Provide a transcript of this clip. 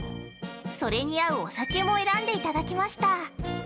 それに合うお酒も選んでいただきました。